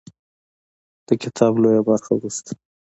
د کتاب لویه برخه وروسته